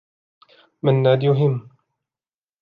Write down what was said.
منّاد يهم.